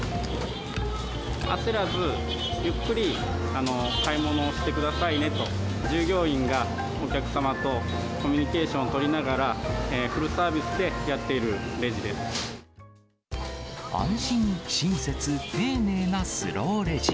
焦らず、ゆっくり買い物をしてくださいねと、従業員がお客様とコミュニケーション取りながら、フルサービスで安心、親切、丁寧なスローレジ。